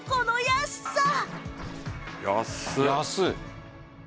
安い。